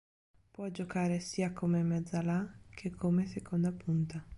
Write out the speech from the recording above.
Può giocare sia come mezzala che come seconda punta.